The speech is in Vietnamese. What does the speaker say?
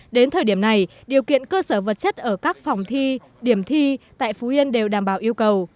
đến thời điểm này điều kiện cơ sở vật chất ở các phòng thi điểm thi tại phú yên đều đảm bảo yêu cầu